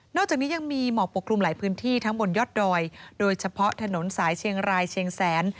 อกจากนี้ยังมีหมอกปกคลุมหลายพื้นที่ทั้งบนยอดดอยโดยเฉพาะถนนสายเชียงรายเชียงแสน